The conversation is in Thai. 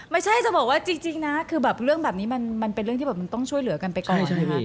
ไม่ใช่แต่ว่าจริงนะเรื่องแบบนี้มันเป็นเรื่องที่มันต้องช่วยเหลือกันไปก่อน